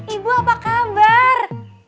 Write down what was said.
ibu apa kabar